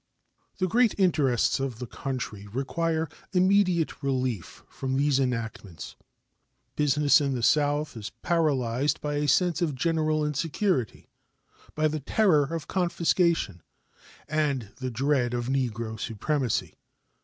The great interests of the country require immediate relief from these enactments. Business in the South is paralyzed by a sense of general insecurity, by the terror of confiscation, and the dread of Negro supremacy.